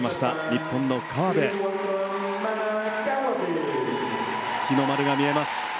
日の丸が見えます。